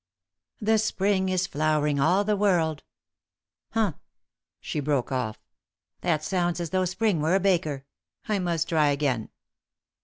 "The spring is flowering all the world " "Humph!" she broke off. "That sounds as though spring were a baker! I must try again."